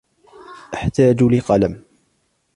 أحتاج لقلم.